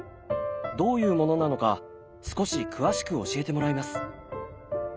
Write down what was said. どういうものなのか少し詳しく教えてもらいます。